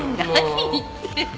何言ってんの。